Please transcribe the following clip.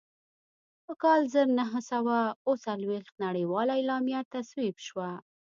په کال زر نهه سوه اووه څلوېښت نړیواله اعلامیه تصویب شوه.